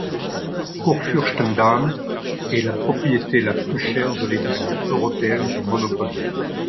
Kurfürstendamm est la propriété la plus chère de l'édition européenne du Monopoly.